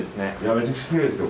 めちゃくちゃきれいですよ